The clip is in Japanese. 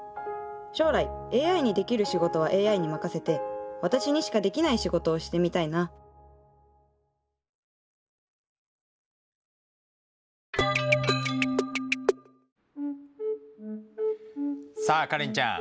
将来ＡＩにできる仕事はＡＩに任せて私にしかできない仕事をしてみたいなさあカレンちゃん。